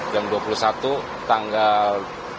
jam dua puluh satu tanggal empat belas